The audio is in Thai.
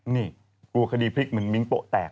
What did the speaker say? นี่กลัวคดีพลิกเหมือนมิ้งโป๊แตก